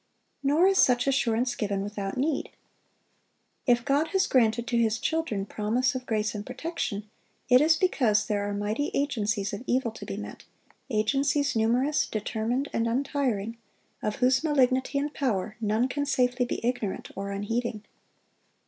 Nor is such assurance given without need. If God has granted to His children promise of grace and protection, it is because there are mighty agencies of evil to be met,—agencies numerous, determined, and untiring, of whose malignity and power none can safely be ignorant or unheeding.